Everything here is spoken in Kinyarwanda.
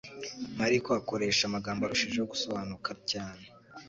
Mariko akoresha amagambo arushijeho gusobanuka cyane